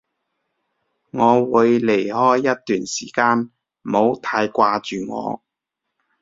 我會離開一段時間，唔好太掛住我